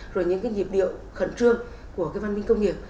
rồi những cái nhịp điệu khẩn trương của cái văn minh công nghiệp